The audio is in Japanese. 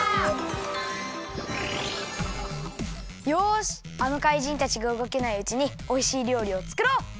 よしあのかいじんたちがうごけないうちにおいしいりょうりをつくろう！